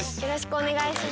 お願いします。